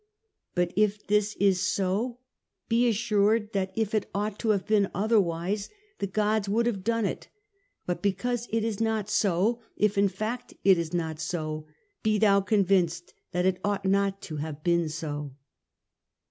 ' But if this is so, be assured that if it ought to have been otherwise, the gods would have done it But because it is not so, if in fact it is not so, be thou convinced that it ought not to have been so.'